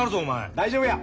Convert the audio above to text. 大丈夫や！